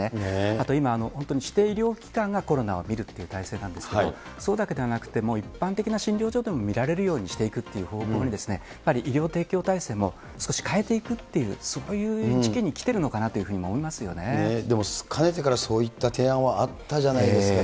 あと今、指定医療機関がコロナを診るという体制なんですけど、そうだけではなくて、もう一般的な診療所でも診られるようにしていくって方向にやはり医療提供体制も少し変えていくっていう、そういう時期に来てるのでもかねてからそういった提案はあったじゃないですか。